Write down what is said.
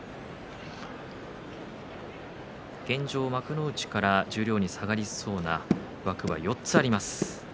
現状、幕内から十両に下がりそうな枠は４つあります。